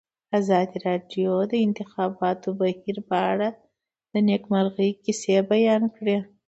ازادي راډیو د د انتخاباتو بهیر په اړه د نېکمرغۍ کیسې بیان کړې.